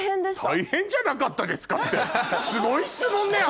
「大変じゃなかったですか？」ってすごい質問ね。